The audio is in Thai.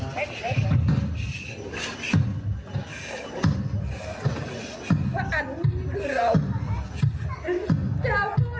พ่อเหลืองหลากเว้ยอันติก็เจอ